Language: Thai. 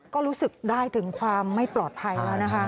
ก็รู้สึกได้ถึงความไม่ปลอดภัยแล้วนะคะ